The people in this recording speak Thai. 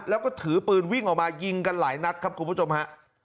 แล้วก็ถือปืนวิ่งออกมายิงกันหลายนัดครับคุณผู้ชมฮะ